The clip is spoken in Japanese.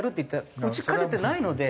打ち勝ててないので。